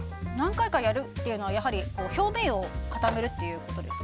何回かやるというのはやはり表面を固めるということですか。